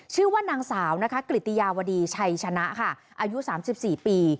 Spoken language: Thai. ชื่อว่านางสาวนะคะกริตยาวดีชัยชนะค่ะอายุ๓๔ปี